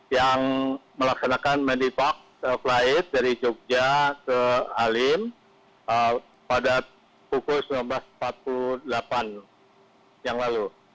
yang melaksanakan medipak flight dari jogja ke halim pada pukul sembilan belas empat puluh delapan